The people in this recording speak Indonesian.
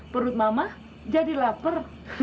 perut mama jadi lapar